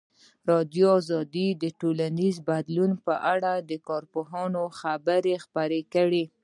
ازادي راډیو د ټولنیز بدلون په اړه د کارپوهانو خبرې خپرې کړي.